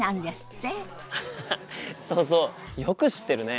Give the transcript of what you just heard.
アハハそうそうよく知ってるね。